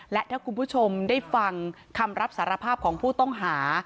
และถ้าคุณผู้ชมได้ฟังคำรับสารภาพของผู้ต้องหา